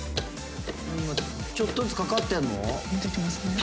ちょっとずつかかってんの？